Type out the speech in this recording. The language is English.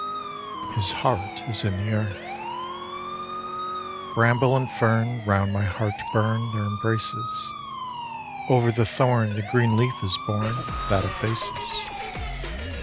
His Heart is in the Earth BRAMBLE and fern Round my heart burn Their embraces ; Over the thorn The green leaf is born That effaces.